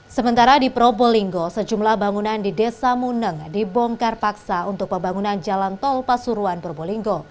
sementara di probolinggo sejumlah bangunan di desa muneng dibongkar paksa untuk pembangunan jalan tol pasuruan probolinggo